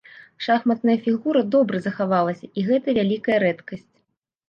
Шахматная фігура добра захавалася, і гэта вялікая рэдкасць.